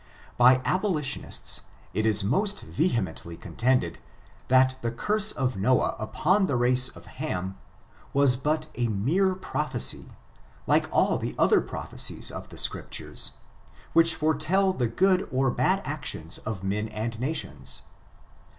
By abolitionists, it is most vehemently contended, that the curse of Noah upon the race of Ham, was but a mere prophecy, like all the other prophecies of the Scriptures, which foretell the good or bad actions of men and nations.